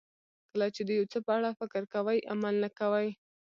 کله چې د یو څه په اړه فکر کوئ عمل نه کوئ.